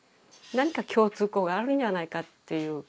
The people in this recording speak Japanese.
何か共通項があるんじゃないかっていう。